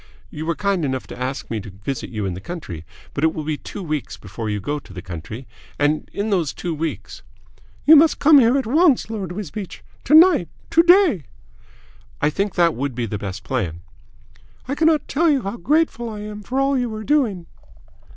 You were kind enough to ask me to visit you in the country, but it will be two weeks before you go to the Country, and in those two weeks " "You must come here at once, Lord Wisbeach. To night. To day." "I think that would be the best plan." "I cannot tell you how grateful I am for all you are doing."